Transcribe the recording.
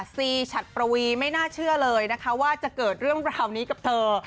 ซีฉัดประวีไม่น่าเชื่อเลยนะคะว่าจะเกิดเรื่องราวนี้กับเธอ